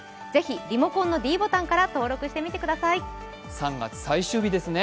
３月最終日ですね。